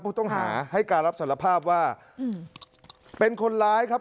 ผู้ต้องหาให้การรับสารภาพว่าเป็นคนร้ายครับ